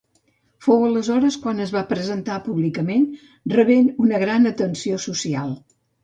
Fou aleshores quan es va presentar públicament, rebent una gran atenció social.